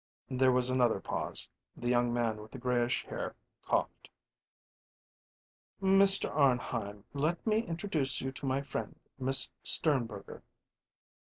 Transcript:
There was another pause; the young man with the grayish hair coughed. "Mr. Arnheim, let me introduce you to my friend, Miss Sternberger."